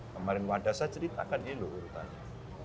kemarin wadah saya ceritakan di lodi urutannya